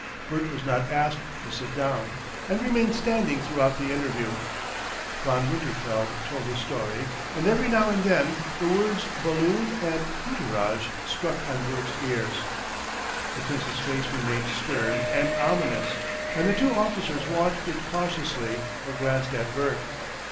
Bert was not asked to sit down, and remained standing throughout the interview. Von Winterfeld told his story, and every now and then the words Ballon and Pooterage struck on Bert's ears. The Prince's face remained stern and ominous and the two officers watched it cautiously or glanced at Bert.